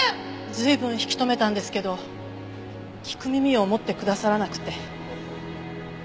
随分引き留めたんですけど聞く耳を持ってくださらなくて。